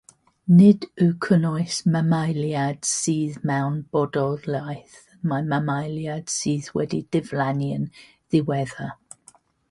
Nid yw'n cynnwys mamaliaid sydd mewn bodolaeth na mamaliaid sydd wedi diflannu'n ddiweddar.